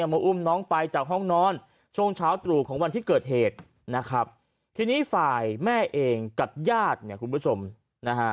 มาอุ้มน้องไปจากห้องนอนช่วงเช้าตรู่ของวันที่เกิดเหตุนะครับทีนี้ฝ่ายแม่เองกับญาติเนี่ยคุณผู้ชมนะฮะ